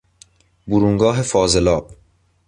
برونگاه فاضلاب